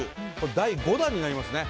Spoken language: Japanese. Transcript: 第５弾になりますね。